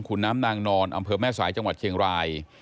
คุณน้ำนางนอนอำเภอแม่สายจังหวัดเชียงราย